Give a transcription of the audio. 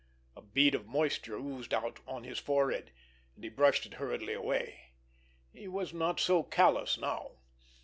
A bead of moisture oozed out on his forehead, and he brushed it hurriedly away. He was not so callous now!